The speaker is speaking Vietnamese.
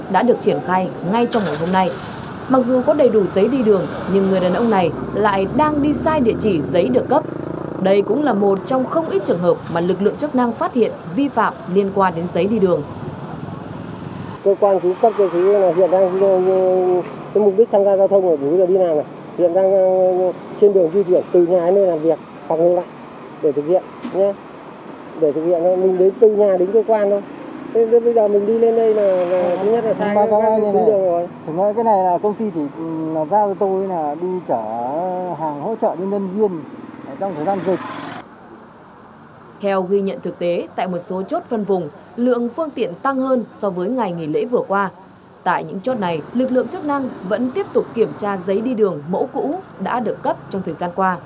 đây cũng là một trong không ít trường hợp mà lực lượng chức năng phát hiện vi phạm liên quan đến giấy đi đường